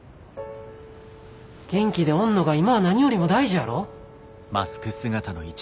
元気でおんのが今は何よりも大事やろ。